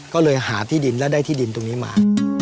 ก็เลยหาที่ดินและได้ที่ดินตรงนี้มา